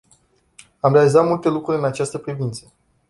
Am realizat multe lucruri în această privință.